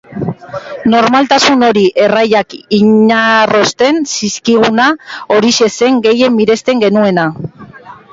Normaltasun hori, erraiak inarrosten zizkiguna, horixe zen gehien miresten genuena.